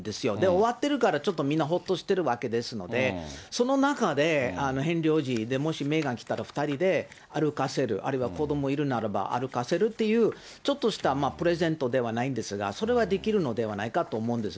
終わってるからちょっとみんなほっとしてるわけですので、その中でヘンリー王子、で、もしメーガン来たら、２人で歩かせる、あるいは子どもいるならば歩かせるっていう、ちょっとしたプレゼントではないんですが、それはできるのではないかと思うんです。